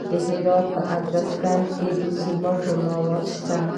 د هرات په ادرسکن کې د سمنټو مواد شته.